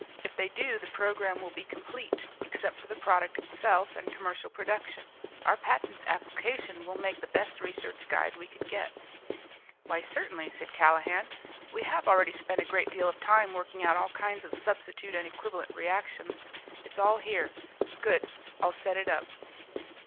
If they do, the program will be complete, except for the product itself and commercial production. Our patent application will make the best research guide we could get." "Why certainly," said Callahan. "We have already spent a great deal of time working out all kinds of substitute and equivalent reactions. It's all here. Good. I'll set it up."